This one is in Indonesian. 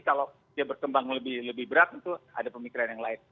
kalau dia berkembang lebih berat tentu ada pemikiran yang lain